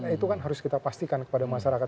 itu kan harus kita pastikan kepada masyarakat